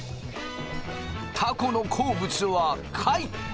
たこの好物は貝。